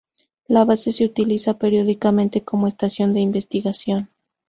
La base se utiliza periódicamente como estación de investigación.